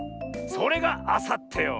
それがあさってよ。